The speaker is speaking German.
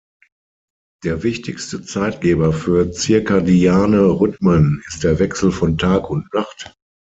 Der wichtigste Zeitgeber für circadiane Rhythmen ist der Wechsel von Tag und Nacht.